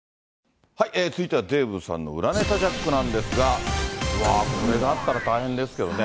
続いてはデーブさんの裏ネタジャックなんですが、わあ、これだったら大変ですけどね。